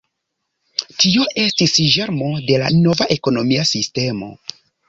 Tio estis ĝermo de la nova ekonomia sistemo.